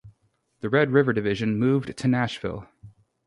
The Red River Division moved to Nashville.